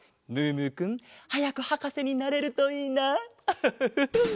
ムームーくんはやくはかせになれるといいな。